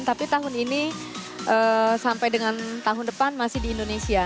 tapi tahun ini sampai dengan tahun depan masih di indonesia